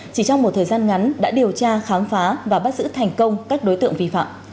chỉ trong một thời gian ngắn đã điều tra khám phá và bắt giữ thành công các đối tượng vi phạm